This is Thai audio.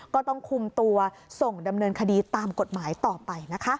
ก็ต้องคุมตัวส่งดำเนินคดีตามกฎหมายต่อไปนะคะ